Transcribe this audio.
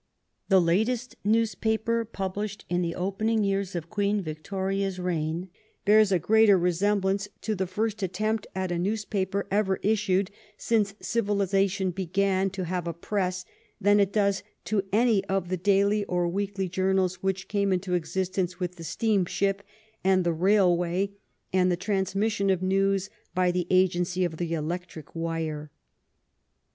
The latest newspaper published in the opening years of Queen Victoria's reign bears a greater resemblance to the first attempt at a newspaper ever issued since civilization began to have a press than it does to any of the daily or weekly journals which came into existence with the steamship and the rail way and the transmission of news by the agency of the electric wire.